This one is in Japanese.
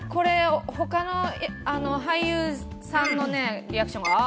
他の俳優さんのね、リアクションもあ！